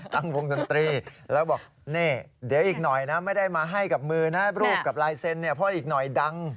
ตั้งวงดนตรีแล้วบอกนี่เดี๋ยวอีกหน่อยนะไม่ได้มาให้กับมือนะรูปกับลายเซ็นต์เนี่ยเพราะอีกหน่อยดัง